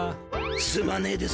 すまねえです